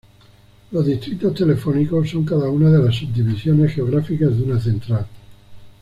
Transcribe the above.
Los distritos telefónicos son cada una de las subdivisiones geográficas de una central.